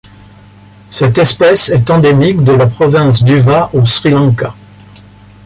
Cette espèce est endémique de la province d'Uva au Sri Lanka.